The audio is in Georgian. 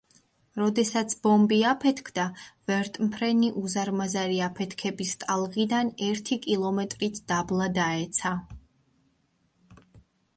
როდესაც ბომბი აფეთქდა ვერტმფრენი უზარმაზარი აფეთქების ტალღიდან ერთი კილომეტრით დაბლა დაეცა.